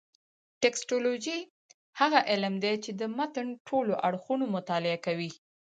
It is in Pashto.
ټکسټولوجي هغه علم دﺉ، چي د متن ټول اړخونه مطالعه کوي.